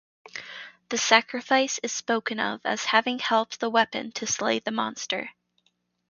The sacrifice is spoken of as having helped the weapon to slay the monster.